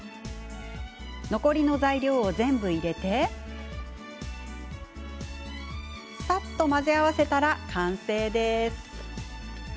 残りの材料を全部入れてさっと混ぜ合わせたら完成です。